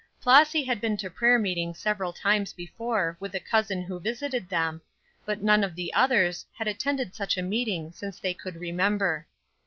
Flossy had been to prayer meeting several times before with a cousin who visited them, but none of the others had attended such a meeting since they could remember.